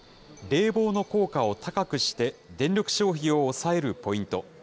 冷房の効果を高くして、電力消費を抑えるポイント。